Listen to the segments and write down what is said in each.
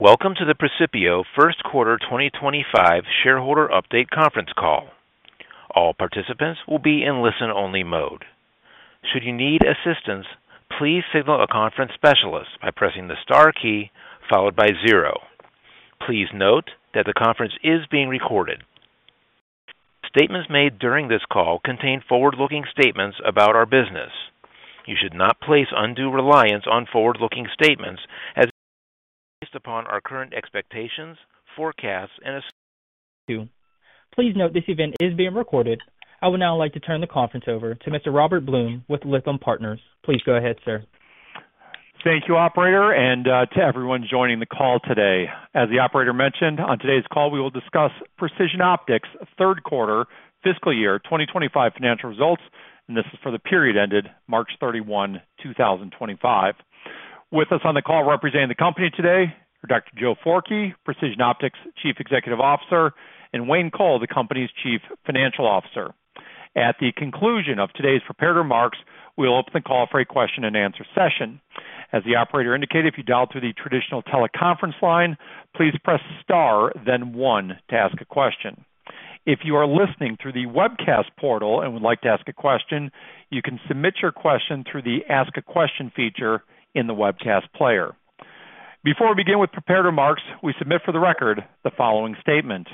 Welcome to the Precision Optics Corporation First Quarter 2025 Shareholder Update Conference Call. All participants will be in listen-only mode. Should you need assistance, please signal a conference specialist by pressing the star key followed by zero. Please note that the conference is being recorded. Statements made during this call contain forward-looking statements about our business. You should not place undue reliance on forward-looking statements as based upon our current expectations, forecasts, and assumptions. Please note this event is being recorded. I would now like to turn the conference over to Mr. Robert Blum with Lytham Partners. Please go ahead, sir. Thank you, Operator, and to everyone joining the call today. As the Operator mentioned, on today's call, we will discuss Precision Optics' third quarter fiscal year 2025 financial results, and this is for the period ended March 31, 2025. With us on the call representing the company today are Dr. Joe Forkey, Precision Optics Chief Executive Officer, and Wayne Coll, the company's Chief Financial Officer. At the conclusion of today's prepared remarks, we'll open the call for a question-and-answer session. As the Operator indicated, if you dialed through the traditional teleconference line, please press star, then one, to ask a question. If you are listening through the webcast portal and would like to ask a question, you can submit your question through the ask-a-question feature in the webcast player. Before we begin with prepared remarks, we submit for the record the following statement.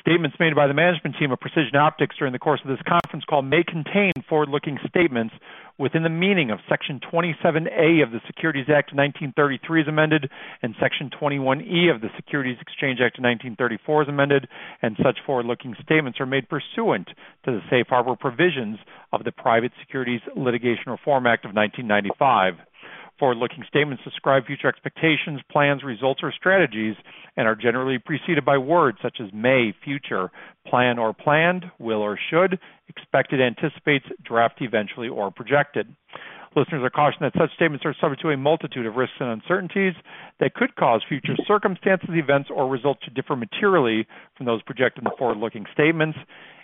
Statements made by the management team of Precision Optics during the course of this conference call may contain forward-looking statements within the meaning of Section 27A of the Securities Act of 1933 as amended, and Section 21E of the Securities Exchange Act of 1934 as amended, and such forward-looking statements are made pursuant to the safe harbor provisions of the Private Securities Litigation Reform Act of 1995. Forward-looking statements describe future expectations, plans, results, or strategies, and are generally preceded by words such as may, future, plan or planned, will or should, expected, anticipates, draft eventually, or projected. Listeners are cautioned that such statements are subject to a multitude of risks and uncertainties that could cause future circumstances, events, or results to differ materially from those projected in the forward-looking statements,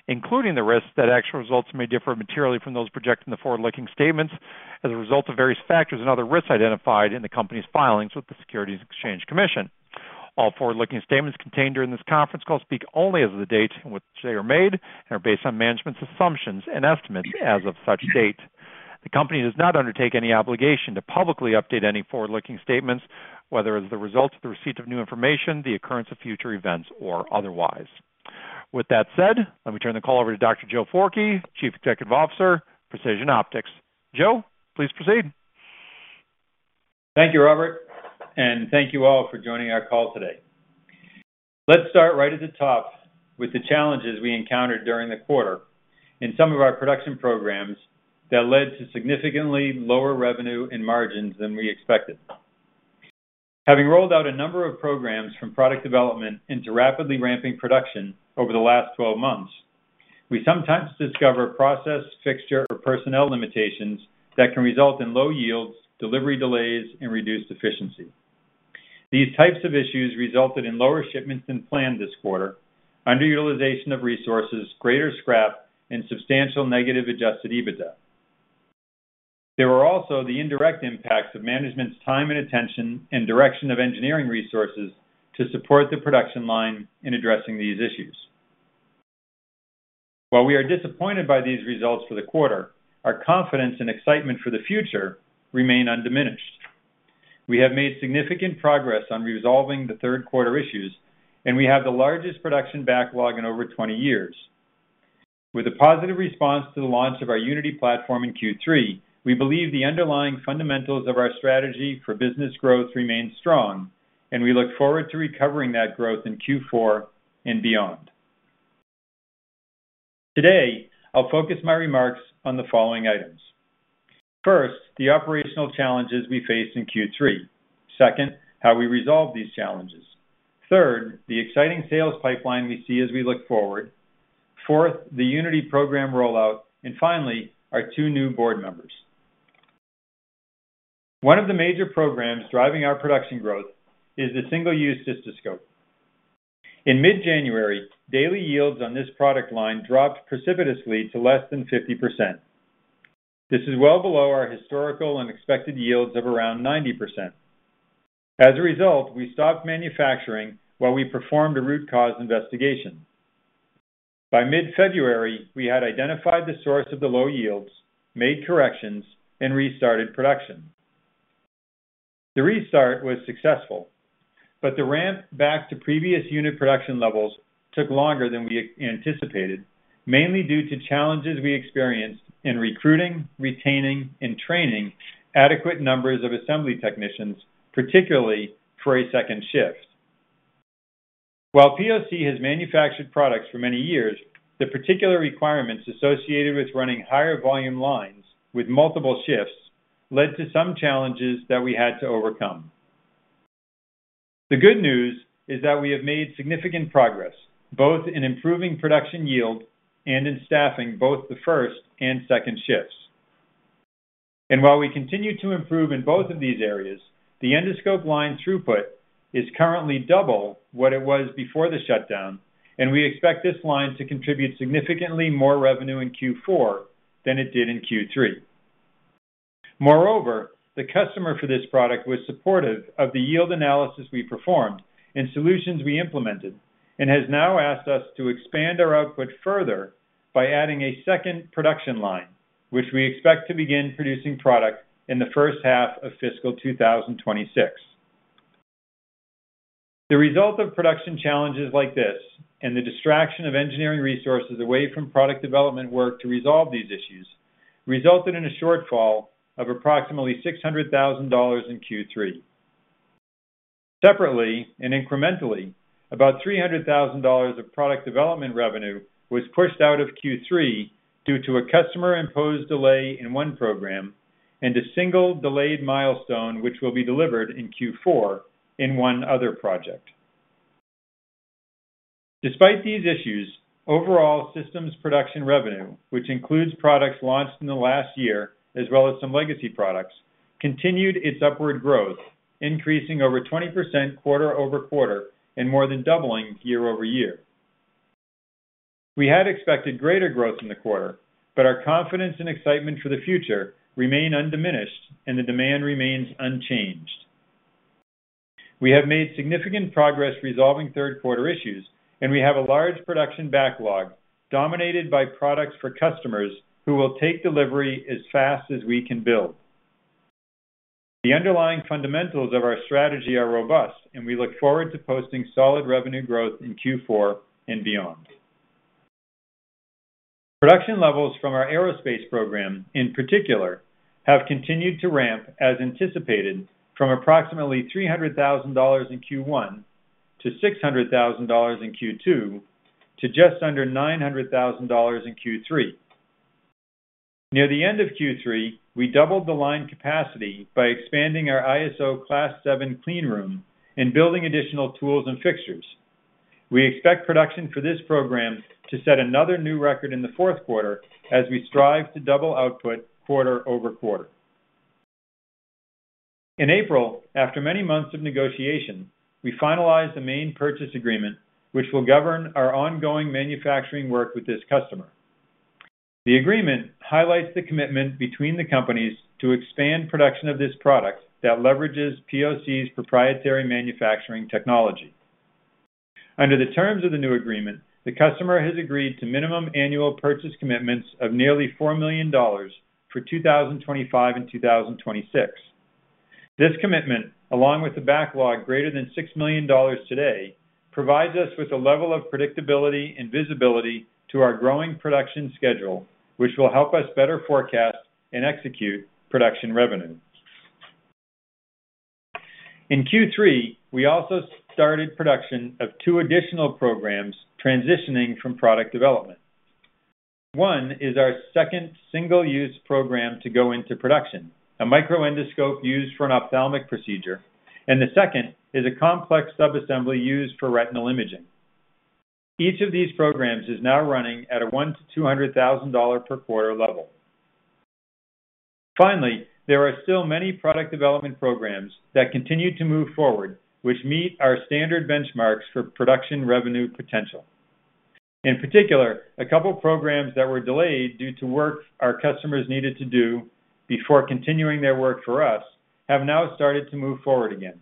including the risks that actual results may differ materially from those projected in the forward-looking statements as a result of various factors and other risks identified in the company's filings with the Securities Exchange Commission. All forward-looking statements contained during this conference call speak only as of the date in which they are made and are based on management's assumptions and estimates as of such date. The company does not undertake any obligation to publicly update any forward-looking statements, whether as the result of the receipt of new information, the occurrence of future events, or otherwise. With that said, let me turn the call over to Dr. Joe Forkey, Chief Executive Officer, Precision Optics. Joe, please proceed. Thank you, Robert, and thank you all for joining our call today. Let's start right at the top with the challenges we encountered during the quarter in some of our production programs that led to significantly lower revenue and margins than we expected. Having rolled out a number of programs from product development into rapidly ramping production over the last 12 months, we sometimes discover process, fixture, or personnel limitations that can result in low yields, delivery delays, and reduced efficiency. These types of issues resulted in lower shipments than planned this quarter, underutilization of resources, greater scrap, and substantial negative adjusted EBITDA. There were also the indirect impacts of management's time and attention and direction of engineering resources to support the production line in addressing these issues. While we are disappointed by these results for the quarter, our confidence and excitement for the future remain undiminished. We have made significant progress on resolving the third quarter issues, and we have the largest production backlog in over 20 years. With a positive response to the launch of our Unity platform in Q3, we believe the underlying fundamentals of our strategy for business growth remain strong, and we look forward to recovering that growth in Q4 and beyond. Today, I'll focus my remarks on the following items. First, the operational challenges we faced in Q3. Second, how we resolved these challenges. Third, the exciting sales pipeline we see as we look forward. Fourth, the Unity program rollout. And finally, our two new board members. One of the major programs driving our production growth is the single-use cystoscope. In mid-January, daily yields on this product line dropped precipitously to less than 50%. This is well below our historical and expected yields of around 90%. As a result, we stopped manufacturing while we performed a root cause investigation. By mid-February, we had identified the source of the low yields, made corrections, and restarted production. The restart was successful, but the ramp back to previous unit production levels took longer than we anticipated, mainly due to challenges we experienced in recruiting, retaining, and training adequate numbers of assembly technicians, particularly for a second shift. While Precision Optics Corporation has manufactured products for many years, the particular requirements associated with running higher volume lines with multiple shifts led to some challenges that we had to overcome. The good news is that we have made significant progress both in improving production yield and in staffing both the first and second shifts. While we continue to improve in both of these areas, the endoscope line throughput is currently double what it was before the shutdown, and we expect this line to contribute significantly more revenue in Q4 than it did in Q3. Moreover, the customer for this product was supportive of the yield analysis we performed and solutions we implemented and has now asked us to expand our output further by adding a second production line, which we expect to begin producing product in the first half of fiscal 2026. The result of production challenges like this and the distraction of engineering resources away from product development work to resolve these issues resulted in a shortfall of approximately $600,000 in Q3. Separately and incrementally, about $300,000 of product development revenue was pushed out of Q3 due to a customer-imposed delay in one program and a single delayed milestone, which will be delivered in Q4 in one other project. Despite these issues, overall systems production revenue, which includes products launched in the last year as well as some legacy products, continued its upward growth, increasing over 20% quarter over quarter and more than doubling year over year. We had expected greater growth in the quarter, but our confidence and excitement for the future remain undiminished, and the demand remains unchanged. We have made significant progress resolving third quarter issues, and we have a large production backlog dominated by products for customers who will take delivery as fast as we can build. The underlying fundamentals of our strategy are robust, and we look forward to posting solid revenue growth in Q4 and beyond. Production levels from our aerospace program, in particular, have continued to ramp as anticipated from approximately $300,000 in Q1 to $600,000 in Q2 to just under $900,000 in Q3. Near the end of Q3, we doubled the line capacity by expanding our ISO Class 7 cleanroom and building additional tools and fixtures. We expect production for this program to set another new record in the fourth quarter as we strive to double output quarter over quarter. In April, after many months of negotiation, we finalized the main purchase agreement, which will govern our ongoing manufacturing work with this customer. The agreement highlights the commitment between the companies to expand production of this product that leverages POC's proprietary manufacturing technology. Under the terms of the new agreement, the customer has agreed to minimum annual purchase commitments of nearly $4 million for 2025 and 2026. This commitment, along with the backlog greater than $6 million today, provides us with a level of predictability and visibility to our growing production schedule, which will help us better forecast and execute production revenue. In Q3, we also started production of two additional programs transitioning from product development. One is our second single-use program to go into production, a microendoscope used for an ophthalmic procedure, and the second is a complex subassembly used for retinal imaging. Each of these programs is now running at a $100,000-$200,000 per quarter level. Finally, there are still many product development programs that continue to move forward, which meet our standard benchmarks for production revenue potential. In particular, a couple of programs that were delayed due to work our customers needed to do before continuing their work for us have now started to move forward again.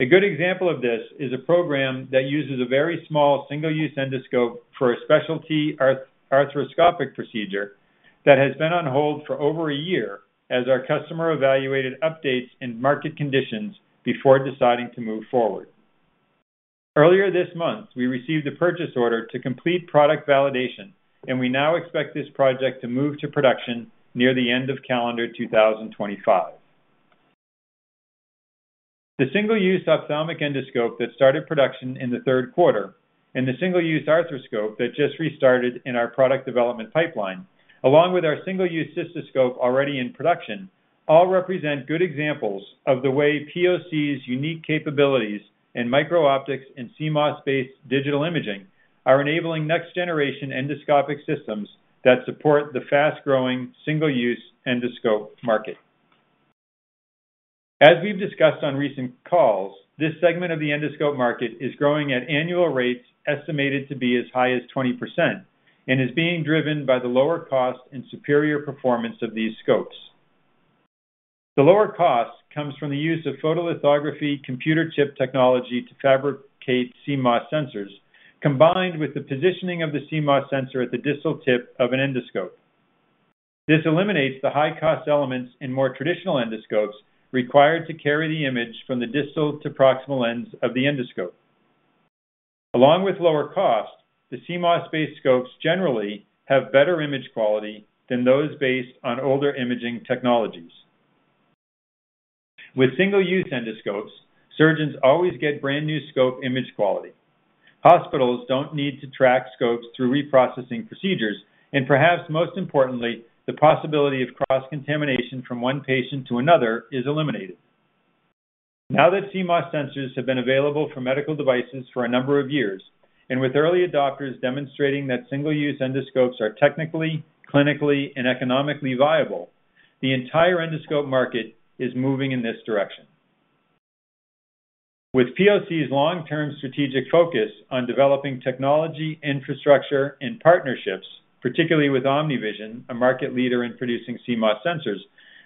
A good example of this is a program that uses a very small single-use endoscope for a specialty arthroscopic procedure that has been on hold for over a year as our customer evaluated updates in market conditions before deciding to move forward. Earlier this month, we received a purchase order to complete product validation, and we now expect this project to move to production near the end of calendar 2025. The single-use ophthalmic endoscope that started production in the third quarter and the single-use arthroscope that just restarted in our product development pipeline, along with our single-use cystoscope already in production, all represent good examples of the way POC's unique capabilities in micro-optics and CMOS-based digital imaging are enabling next-generation endoscopic systems that support the fast-growing single-use endoscope market. As we've discussed on recent calls, this segment of the endoscope market is growing at annual rates estimated to be as high as 20% and is being driven by the lower cost and superior performance of these scopes. The lower cost comes from the use of photolithography computer chip technology to fabricate CMOS sensors, combined with the positioning of the CMOS sensor at the distal tip of an endoscope. This eliminates the high-cost elements in more traditional endoscopes required to carry the image from the distal to proximal ends of the endoscope. Along with lower cost, the CMOS-based scopes generally have better image quality than those based on older imaging technologies. With single-use endoscopes, surgeons always get brand-new scope image quality. Hospitals don't need to track scopes through reprocessing procedures, and perhaps most importantly, the possibility of cross-contamination from one patient to another is eliminated. Now that CMOS sensors have been available for medical devices for a number of years and with early adopters demonstrating that single-use endoscopes are technically, clinically, and economically viable, the entire endoscope market is moving in this direction. With POC's long-term strategic focus on developing technology, infrastructure, and partnerships, particularly with OmniVision, a market leader in producing CMOS sensors,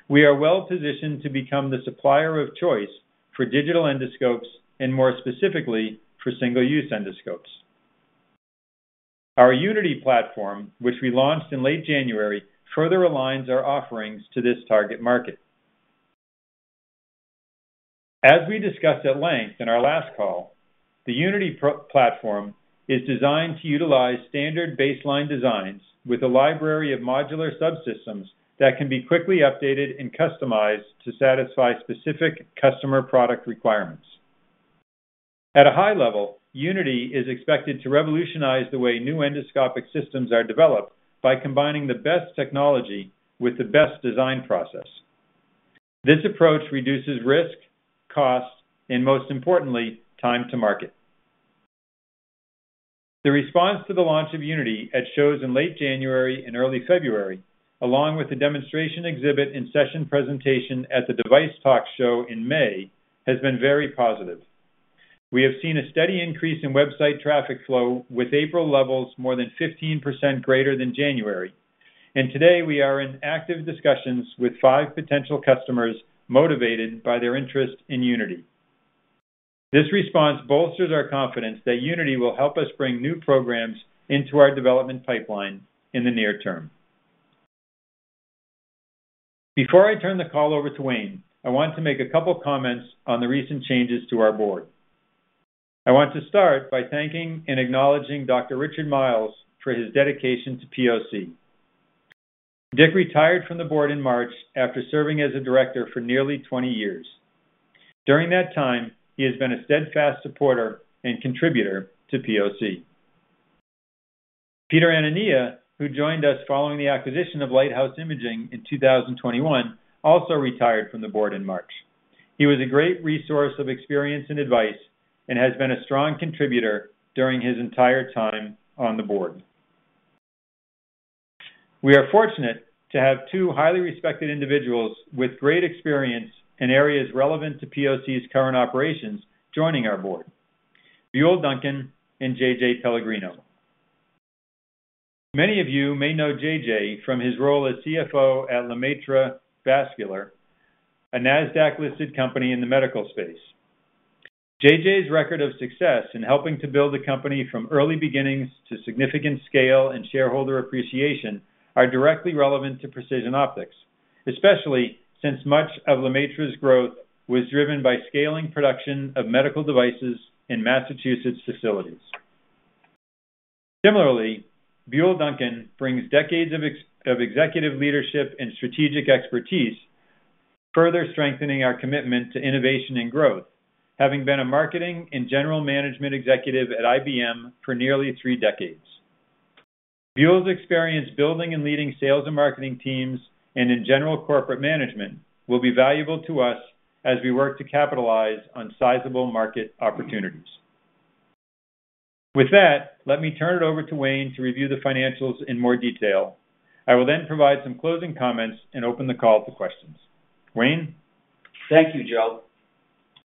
we are well-positioned to become the supplier of choice for digital endoscopes and, more specifically, for single-use endoscopes. Our Unity platform, which we launched in late January, further aligns our offerings to this target market. As we discussed at length in our last call, the Unity platform is designed to utilize standard baseline designs with a library of modular subsystems that can be quickly updated and customized to satisfy specific customer product requirements. At a high level, Unity is expected to revolutionize the way new endoscopic systems are developed by combining the best technology with the best design process. This approach reduces risk, cost, and, most importantly, time to market. The response to the launch of Unity at shows in late January and early February, along with the demonstration exhibit and session presentation at the Device Talk show in May, has been very positive. We have seen a steady increase in website traffic flow, with April levels more than 15% greater than January. Today, we are in active discussions with five potential customers motivated by their interest in Unity. This response bolsters our confidence that Unity will help us bring new programs into our development pipeline in the near term. Before I turn the call over to Wayne, I want to make a couple of comments on the recent changes to our board. I want to start by thanking and acknowledging Dr. Richard Miles for his dedication to POC. Dick retired from the board in March after serving as a director for nearly 20 years. During that time, he has been a steadfast supporter and contributor to POC. Peter Anania, who joined us following the acquisition of Lighthouse Imaging in 2021, also retired from the board in March. He was a great resource of experience and advice and has been a strong contributor during his entire time on the board. We are fortunate to have two highly respected individuals with great experience in areas relevant to POC's current operations joining our board: Buell Duncan and J.J. Pellegrino. Many of you may know J.J. from his role as CFO at Lemaître Vascular, a NASDAQ-listed company in the medical space. J.J.'s record of success in helping to build the company from early beginnings to significant scale and shareholder appreciation are directly relevant to Precision Optics, especially since much of Lemaître's growth was driven by scaling production of medical devices in Massachusetts facilities. Similarly, Buell Duncan brings decades of executive leadership and strategic expertise, further strengthening our commitment to innovation and growth, having been a marketing and general management executive at IBM for nearly three decades. Buell's experience building and leading sales and marketing teams and in general corporate management will be valuable to us as we work to capitalize on sizable market opportunities. With that, let me turn it over to Wayne to review the financials in more detail. I will then provide some closing comments and open the call to questions. Wayne? Thank you, Joe.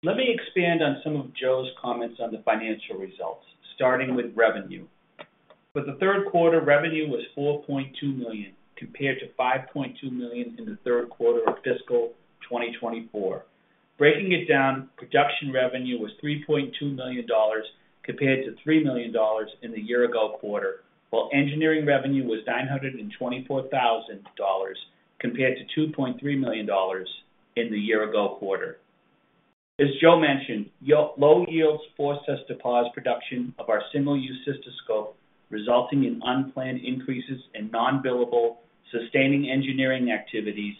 Let me expand on some of Joe's comments on the financial results, starting with revenue. For the third quarter, revenue was $4.2 million compared to $5.2 million in the third quarter of fiscal 2024. Breaking it down, production revenue was $3.2 million compared to $3 million in the year-ago quarter, while engineering revenue was $924,000 compared to $2.3 million in the year-ago quarter. As Joe mentioned, low yields forced us to pause production of our single-use cystoscope, resulting in unplanned increases in non-billable sustaining engineering activities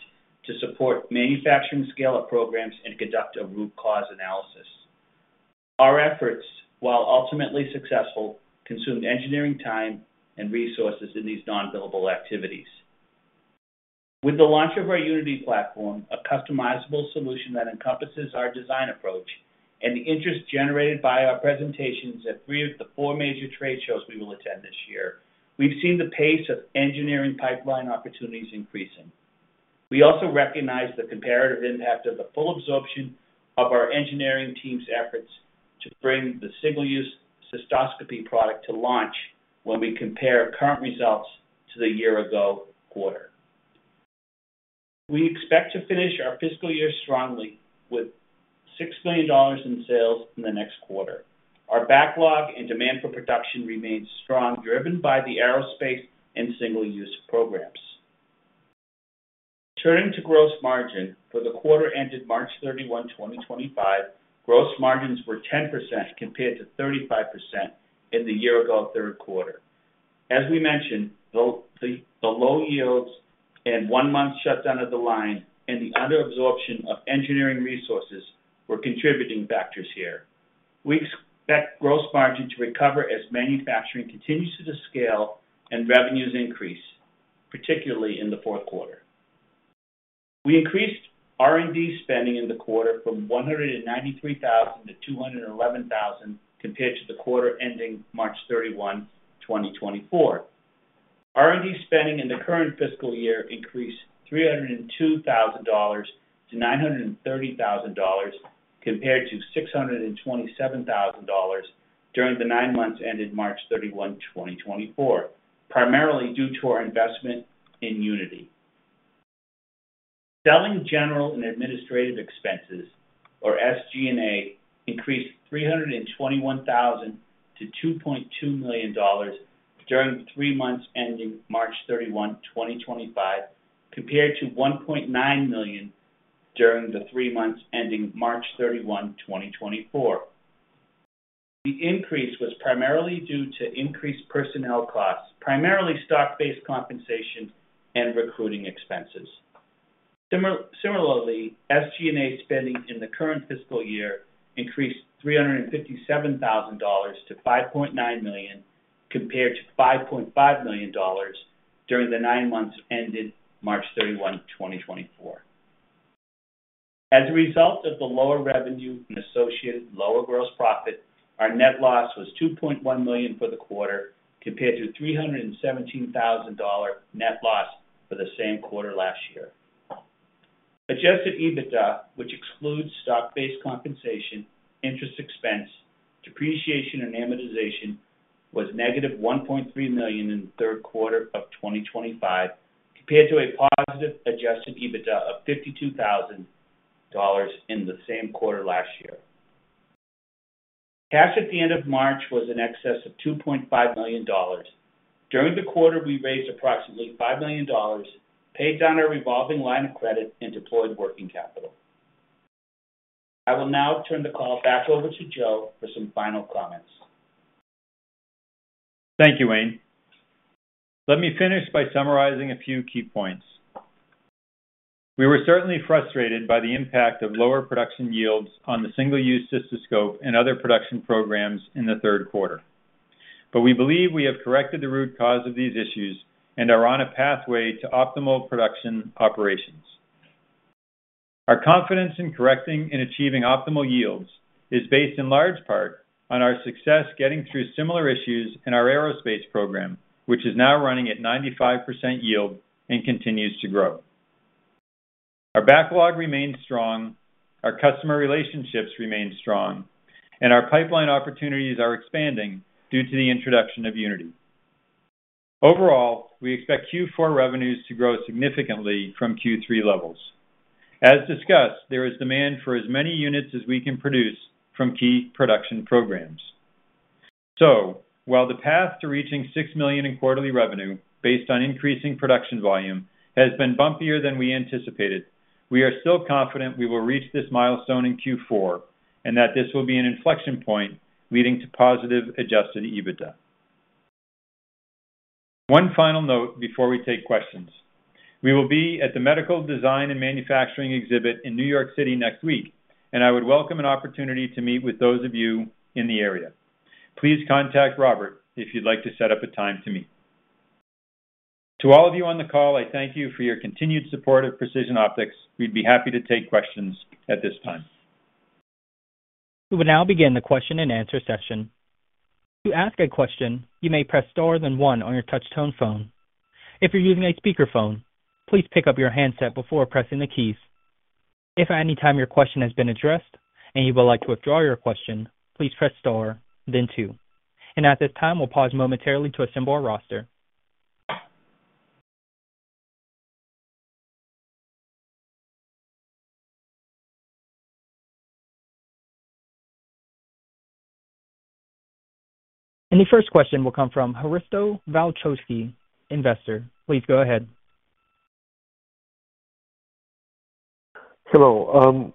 to support manufacturing scale-up programs and conduct a root cause analysis. Our efforts, while ultimately successful, consumed engineering time and resources in these non-billable activities. With the launch of our Unity platform, a customizable solution that encompasses our design approach, and the interest generated by our presentations at three of the four major trade shows we will attend this year, we've seen the pace of engineering pipeline opportunities increasing. We also recognize the comparative impact of the full absorption of our engineering team's efforts to bring the single-use cystoscope product to launch when we compare current results to the year-ago quarter. We expect to finish our fiscal year strongly with $6 million in sales in the next quarter. Our backlog and demand for production remains strong, driven by the aerospace and single-use programs. Turning to gross margin, for the quarter ended March 31, 2025, gross margins were 10% compared to 35% in the year-ago third quarter. As we mentioned, the low yields and one-month shutdown of the line and the under-absorption of engineering resources were contributing factors here. We expect gross margin to recover as manufacturing continues to scale and revenues increase, particularly in the fourth quarter. We increased R&D spending in the quarter from $193,000 to $211,000 compared to the quarter ending March 31, 2024. R&D spending in the current fiscal year increased $302,000 to $930,000 compared to $627,000 during the nine months ended March 31, 2024, primarily due to our investment in Unity. Selling, general and administrative expenses, or SG&A, increased $321,000 to $2.2 million during the three months ending March 31, 2025, compared to $1.9 million during the three months ending March 31, 2024. The increase was primarily due to increased personnel costs, primarily stock-based compensation and recruiting expenses. Similarly, SG&A spending in the current fiscal year increased $357,000 to $5.9 million compared to $5.5 million during the nine months ended March 31, 2024. As a result of the lower revenue and associated lower gross profit, our net loss was $2.1 million for the quarter compared to $317,000 net loss for the same quarter last year. Adjusted EBITDA, which excludes stock-based compensation, interest expense, depreciation, and amortization, was negative $1.3 million in the third quarter of 2025 compared to a positive adjusted EBITDA of $52,000 in the same quarter last year. Cash at the end of March was in excess of $2.5 million. During the quarter, we raised approximately $5 million, paid down our revolving line of credit, and deployed working capital. I will now turn the call back over to Joe for some final comments. Thank you, Wayne. Let me finish by summarizing a few key points. We were certainly frustrated by the impact of lower production yields on the single-use cystoscope and other production programs in the third quarter. We believe we have corrected the root cause of these issues and are on a pathway to optimal production operations. Our confidence in correcting and achieving optimal yields is based in large part on our success getting through similar issues in our aerospace program, which is now running at 95% yield and continues to grow. Our backlog remains strong, our customer relationships remain strong, and our pipeline opportunities are expanding due to the introduction of Unity. Overall, we expect Q4 revenues to grow significantly from Q3 levels. As discussed, there is demand for as many units as we can produce from key production programs. While the path to reaching $6 million in quarterly revenue based on increasing production volume has been bumpier than we anticipated, we are still confident we will reach this milestone in Q4 and that this will be an inflection point leading to positive adjusted EBITDA. One final note before we take questions. We will be at the Medical Design and Manufacturing Exhibit in New York City next week, and I would welcome an opportunity to meet with those of you in the area. Please contact Robert if you'd like to set up a time to meet. To all of you on the call, I thank you for your continued support of Precision Optics. We'd be happy to take questions at this time. We will now begin the question-and-answer session. To ask a question, you may press star then one on your touch-tone phone. If you're using a speakerphone, please pick up your handset before pressing the keys. If at any time your question has been addressed and you would like to withdraw your question, please press star, then two. At this time, we'll pause momentarily to assemble our roster. The first question will come from Hristo Valchoski, investor. Please go ahead. Hello.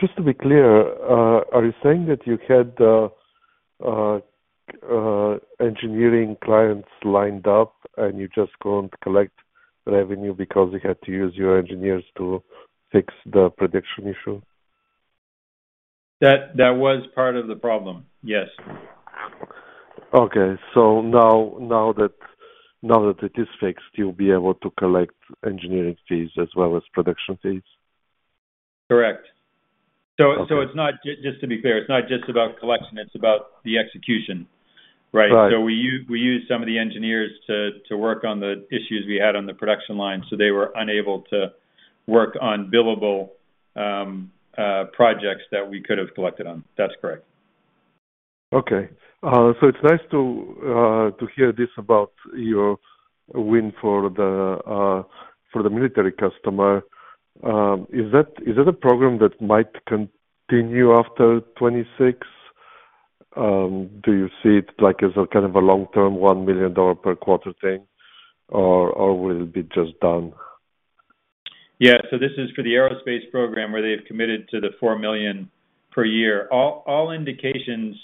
Just to be clear, are you saying that you had engineering clients lined up and you just couldn't collect revenue because you had to use your engineers to fix the production issue? That was part of the problem, yes. Okay. Now that it is fixed, you'll be able to collect engineering fees as well as production fees? Correct. Just to be clear, it's not just about collection. It's about the execution, right? We used some of the engineers to work on the issues we had on the production line, so they were unable to work on billable projects that we could have collected on. That's correct. Okay. It's nice to hear this about your win for the military customer. Is that a program that might continue after 2026? Do you see it as kind of a long-term $1 million per quarter thing, or will it be just done? Yeah. This is for the aerospace program where they've committed to the $4 million per year. All indications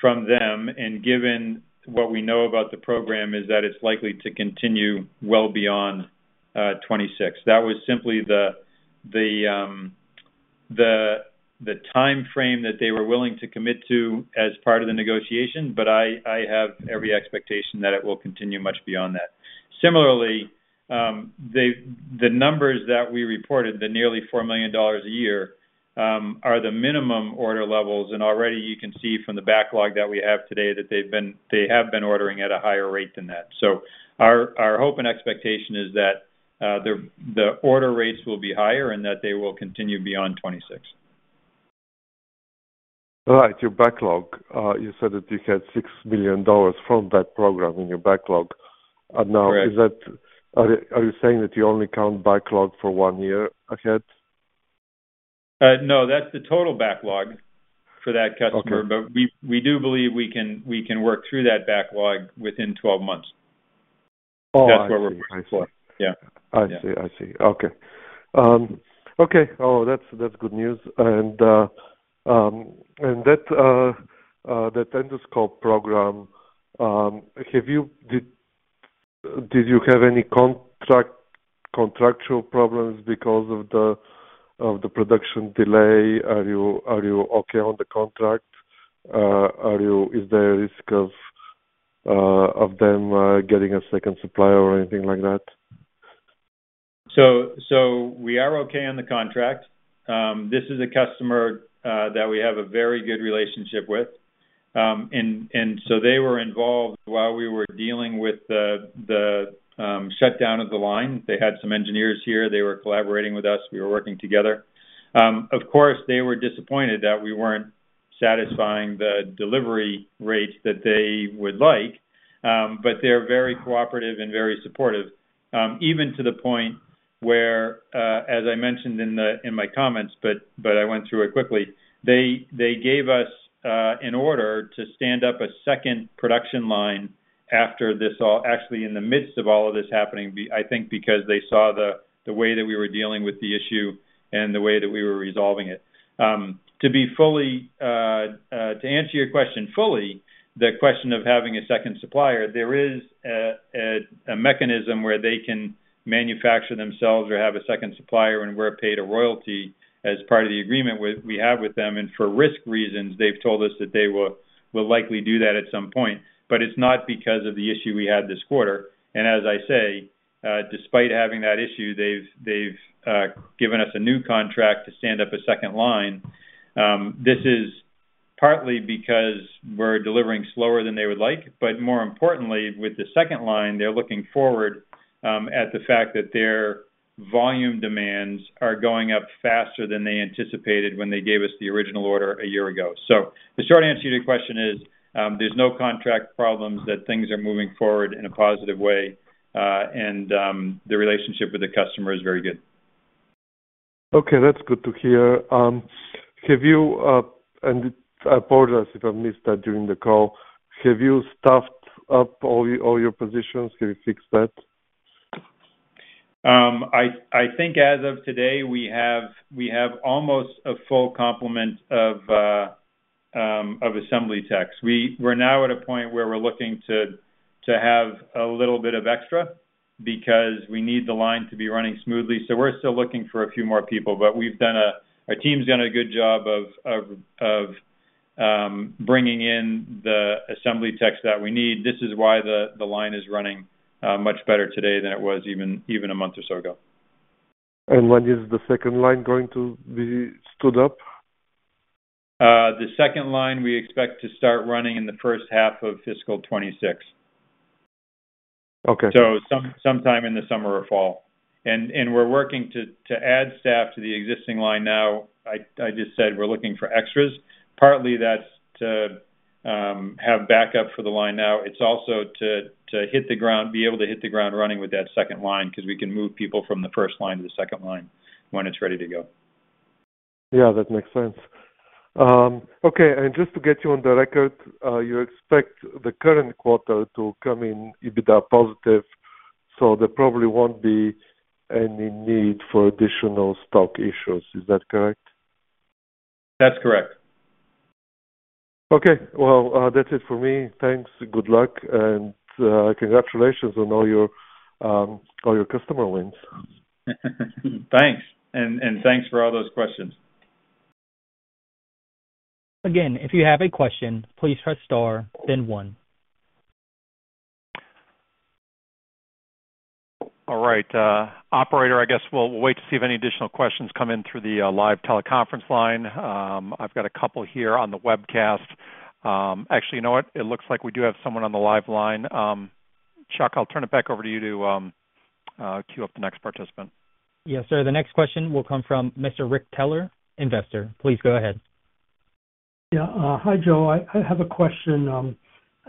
from them, and given what we know about the program, is that it's likely to continue well beyond 2026. That was simply the timeframe that they were willing to commit to as part of the negotiation, but I have every expectation that it will continue much beyond that. Similarly, the numbers that we reported, the nearly $4 million a year, are the minimum order levels. Already, you can see from the backlog that we have today that they have been ordering at a higher rate than that. Our hope and expectation is that the order rates will be higher and that they will continue beyond 2026. Right. Your backlog, you said that you had $6 million from that program in your backlog. Now, are you saying that you only count backlog for one year ahead? No, that is the total backlog for that customer. We do believe we can work through that backlog within 12 months. That is what we are hoping for. Yeah. I see. I see. Okay. Okay. Oh, that is good news. That endoscope program, did you have any contractual problems because of the production delay? Are you okay on the contract? Is there a risk of them getting a second supplier or anything like that? We are okay on the contract. This is a customer that we have a very good relationship with. They were involved while we were dealing with the shutdown of the line. They had some engineers here. They were collaborating with us. We were working together. Of course, they were disappointed that we were not satisfying the delivery rates that they would like, but they are very cooperative and very supportive, even to the point where, as I mentioned in my comments, but I went through it quickly, they gave us an order to stand up a second production line after this all actually in the midst of all of this happening, I think because they saw the way that we were dealing with the issue and the way that we were resolving it. To answer your question fully, the question of having a second supplier, there is a mechanism where they can manufacture themselves or have a second supplier and we're paid a royalty as part of the agreement we have with them. For risk reasons, they've told us that they will likely do that at some point. It is not because of the issue we had this quarter. As I say, despite having that issue, they've given us a new contract to stand up a second line. This is partly because we're delivering slower than they would like. More importantly, with the second line, they're looking forward at the fact that their volume demands are going up faster than they anticipated when they gave us the original order a year ago. The short answer to your question is there's no contract problems, that things are moving forward in a positive way, and the relationship with the customer is very good. Okay. That's good to hear. I apologize if I missed that during the call. Have you staffed up all your positions? Have you fixed that? I think as of today, we have almost a full complement of assembly techs. We're now at a point where we're looking to have a little bit of extra because we need the line to be running smoothly. We're still looking for a few more people, but our team's done a good job of bringing in the assembly techs that we need. This is why the line is running much better today than it was even a month or so ago. When is the second line going to be stood up? The second line we expect to start running in the first half of fiscal 2026. Sometime in the summer or fall. We're working to add staff to the existing line now. I just said we're looking for extras. Partly, that's to have backup for the line now. It's also to be able to hit the ground running with that second line because we can move people from the first line to the second line when it's ready to go. Yeah. That makes sense. Okay. And just to get you on the record, you expect the current quarter to come in EBITDA positive, so there probably won't be any need for additional stock issues. Is that correct? That's correct. Okay. That's it for me. Thanks. Good luck. And congratulations on all your customer wins. Thanks. And thanks for all those questions. Again, if you have a question, please press star, then one. All right. Operator, I guess we'll wait to see if any additional questions come in through the live teleconference line. I've got a couple here on the webcast. Actually, you know what? It looks like we do have someone on the live line. Chuck, I'll turn it back over to you to queue up the next participant. Yes, sir. The next question will come from Mr. Rick Teller, investor. Please go ahead. Yeah. Hi, Joe. I have a question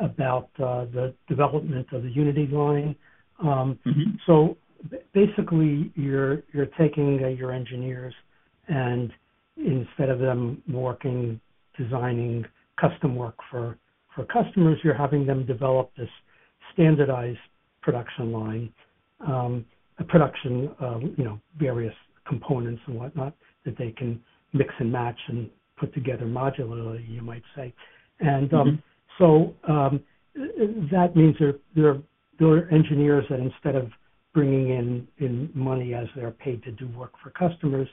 about the development of the Unity line. So basically, you're taking your engineers, and instead of them working, designing custom work for customers, you're having them develop this standardized production line, a production of various components and whatnot that they can mix and match and put together modularly, you might say. That means there are engineers that instead of bringing in money as they're paid to do work for customers,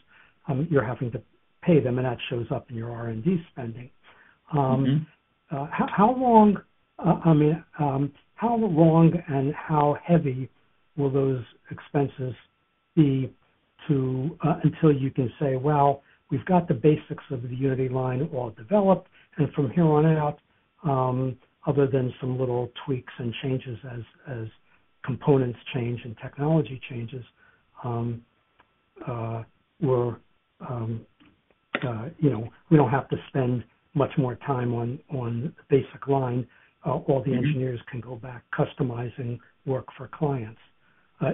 you're having to pay them, and that shows up in your R&D spending. How long, I mean, how long and how heavy will those expenses be until you can say, "We've got the basics of the Unity line all developed, and from here on out, other than some little tweaks and changes as components change and technology changes, we don't have to spend much more time on the basic line. All the engineers can go back customizing work for clients."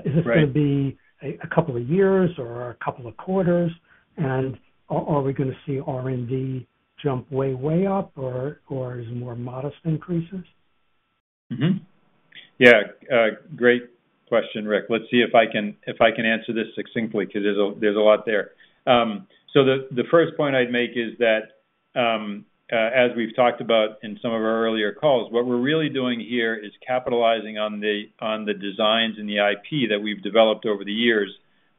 Is this going to be a couple of years or a couple of quarters? And are we going to see R&D jump way, way up, or is it more modest increases? Yeah. Great question, Rick. Let's see if I can answer this succinctly because there's a lot there. The first point I'd make is that, as we've talked about in some of our earlier calls, what we're really doing here is capitalizing on the designs and the IP that we've developed over the years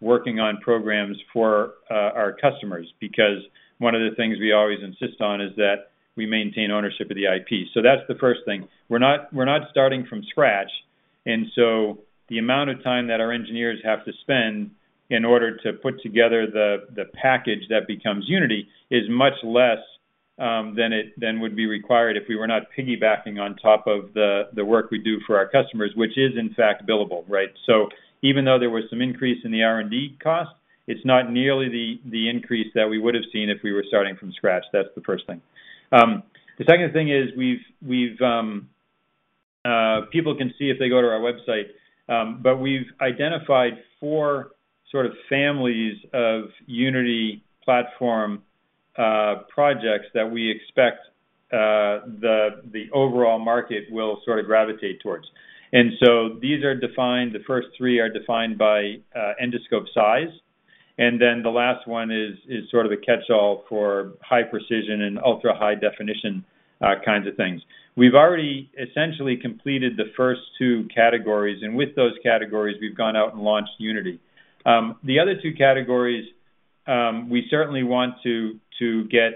working on programs for our customers because one of the things we always insist on is that we maintain ownership of the IP. That's the first thing. We're not starting from scratch. The amount of time that our engineers have to spend in order to put together the package that becomes Unity is much less than would be required if we were not piggybacking on top of the work we do for our customers, which is, in fact, billable, right? Even though there was some increase in the R&D cost, it's not nearly the increase that we would have seen if we were starting from scratch. That's the first thing. The second thing is people can see if they go to our website, but we've identified four sort of families of Unity platform projects that we expect the overall market will sort of gravitate towards. These are defined. The first three are defined by endoscope size. The last one is sort of a catch-all for high precision and ultra-high definition kinds of things. We've already essentially completed the first two categories. With those categories, we've gone out and launched Unity. The other two categories, we certainly want to get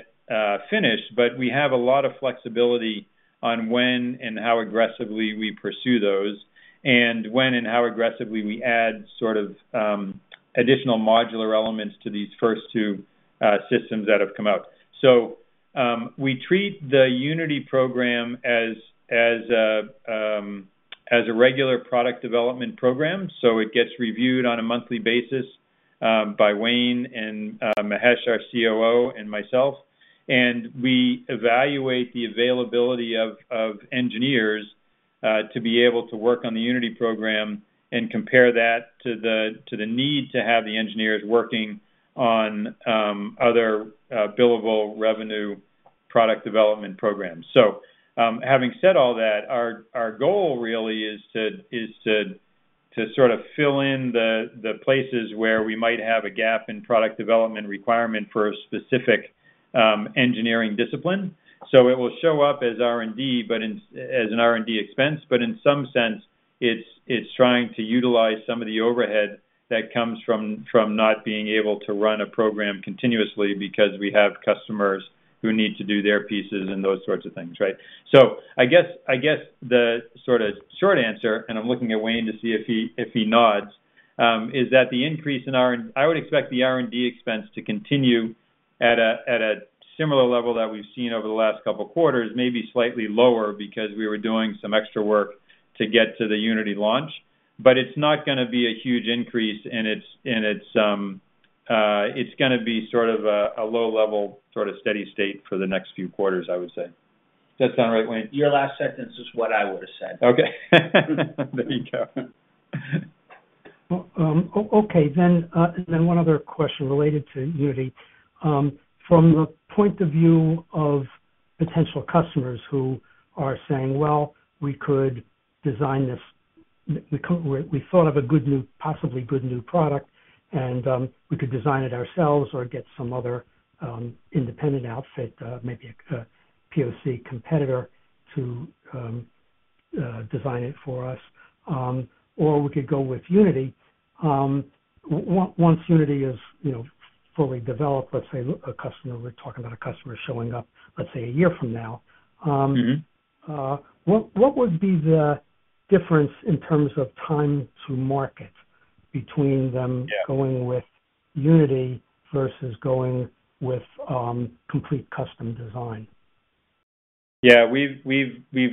finished, but we have a lot of flexibility on when and how aggressively we pursue those and when and how aggressively we add sort of additional modular elements to these first two systems that have come out. We treat the Unity program as a regular product development program. It gets reviewed on a monthly basis by Wayne and Mahesh, our COO, and myself. We evaluate the availability of engineers to be able to work on the Unity program and compare that to the need to have the engineers working on other billable revenue product development programs. Having said all that, our goal really is to sort of fill in the places where we might have a gap in product development requirement for a specific engineering discipline. It will show up as R&D, but as an R&D expense. In some sense, it's trying to utilize some of the overhead that comes from not being able to run a program continuously because we have customers who need to do their pieces and those sorts of things, right? I guess the sort of short answer, and I'm looking at Wayne to see if he nods, is that the increase in our I would expect the R&D expense to continue at a similar level that we've seen over the last couple of quarters, maybe slightly lower because we were doing some extra work to get to the Unity launch. It's not going to be a huge increase, and it's going to be sort of a low-level sort of steady state for the next few quarters, I would say. Does that sound right, Wayne? Your last sentence is what I would have said. Okay. There you go. Okay. One other question related to Unity. From the point of view of potential customers who are saying, "Well, we could design this. We thought of a possibly good new product, and we could design it ourselves or get some other independent outfit, maybe a Precision Optics competitor, to design it for us, or we could go with Unity. Once Unity is fully developed, let's say a customer—we're talking about a customer showing up, let's say, a year from now—what would be the difference in terms of time to market between them going with Unity versus going with complete custom design? Yeah. We've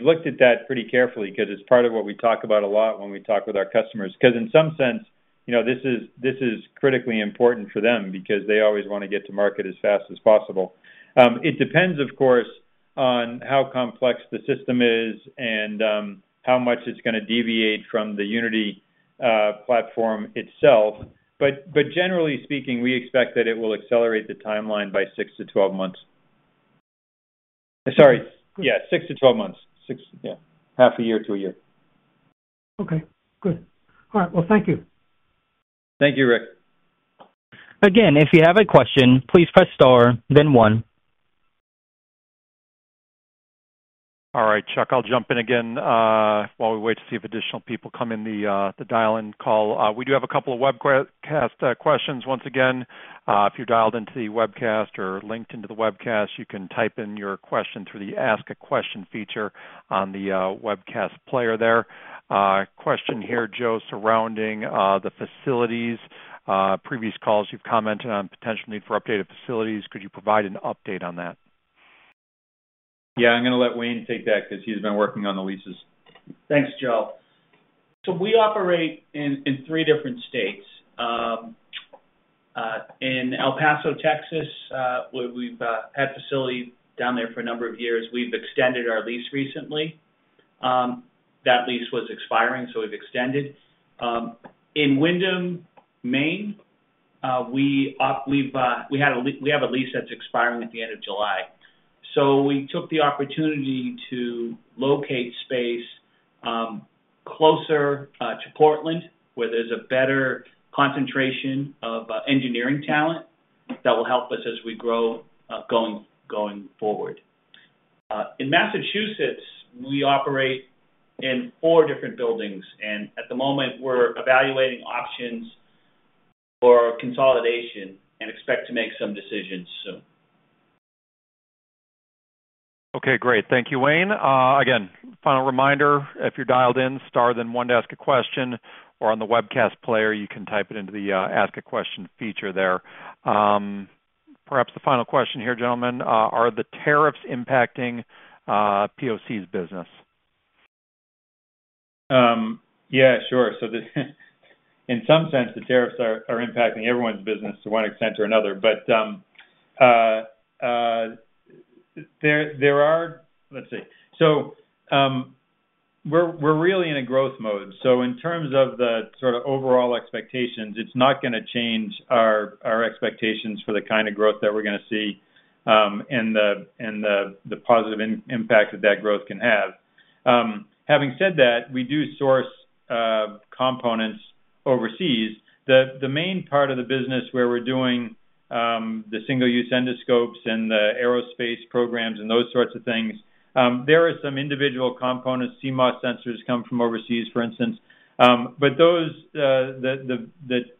looked at that pretty carefully because it's part of what we talk about a lot when we talk with our customers. Because in some sense, this is critically important for them because they always want to get to market as fast as possible. It depends, of course, on how complex the system is and how much it's going to deviate from the Unity platform itself. But generally speaking, we expect that it will accelerate the timeline by 6-12 months. Sorry. Yeah. 6-12 months. Yeah. Half a year to a year. Okay. Good. All right. Thank you. Thank you, Rick. Again, if you have a question, please press star, then one. All right. Chuck, I'll jump in again while we wait to see if additional people come in the dial-in call. We do have a couple of webcast questions. Once again, if you're dialed into the webcast or linked into the webcast, you can type in your question through the ask a question feature on the webcast player there. Question here, Joe, surrounding the facilities. Previous calls, you've commented on potential need for updated facilities. Could you provide an update on that? Yeah. I'm going to let Wayne take that because he's been working on the leases. Thanks, Joe. We operate in three different states. In El Paso, Texas, we've had a facility down there for a number of years. We've extended our lease recently. That lease was expiring, so we've extended. In Windom, Maine, we have a lease that's expiring at the end of July. We took the opportunity to locate space closer to Portland, where there's a better concentration of engineering talent that will help us as we grow going forward. In Massachusetts, we operate in four different buildings. At the moment, we're evaluating options for consolidation and expect to make some decisions soon. Okay. Great. Thank you, Wayne. Again, final reminder, if you're dialed in, star, then one, ask a question. Or on the webcast player, you can type it into the ask a question feature there. Perhaps the final question here, gentlemen. Are the tariffs impacting POC's business? Yeah. Sure. In some sense, the tariffs are impacting everyone's business to one extent or another. We are really in a growth mode. In terms of the sort of overall expectations, it is not going to change our expectations for the kind of growth that we are going to see and the positive impact that that growth can have. Having said that, we do source components overseas. The main part of the business where we are doing the single-use endoscopes and the aerospace programs and those sorts of things, there are some individual components. CMOS sensors come from overseas, for instance. The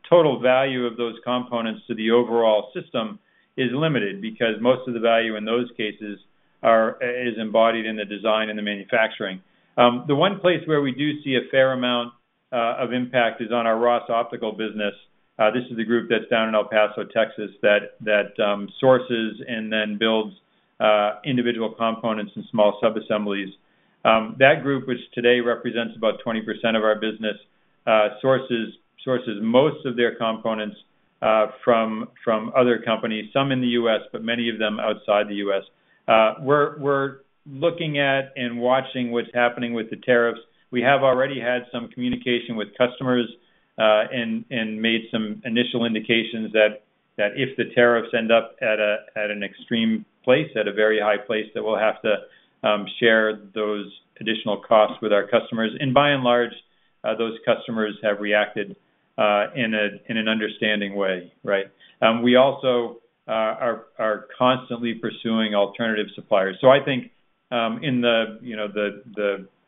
total value of those components to the overall system is limited because most of the value in those cases is embodied in the design and the manufacturing. The one place where we do see a fair amount of impact is on our Ross Optical business. This is the group that's down in El Paso, Texas, that sources and then builds individual components and small subassemblies. That group, which today represents about 20% of our business, sources most of their components from other companies, some in the U.S., but many of them outside the U.S. We're looking at and watching what's happening with the tariffs. We have already had some communication with customers and made some initial indications that if the tariffs end up at an extreme place, at a very high place, that we'll have to share those additional costs with our customers. By and large, those customers have reacted in an understanding way, right? We also are constantly pursuing alternative suppliers. I think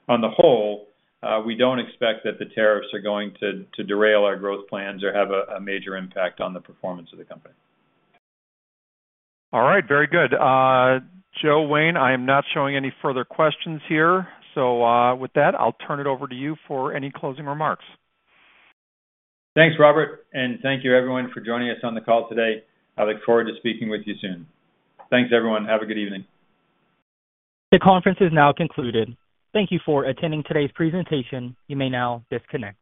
on the whole, we don't expect that the tariffs are going to derail our growth plans or have a major impact on the performance of the company. All right. Very good. Joe, Wayne, I am not showing any further questions here. With that, I'll turn it over to you for any closing remarks. Thanks, Robert. And thank you, everyone, for joining us on the call today. I look forward to speaking with you soon. Thanks, everyone. Have a good evening. The conference is now concluded. Thank you for attending today's presentation. You may now disconnect.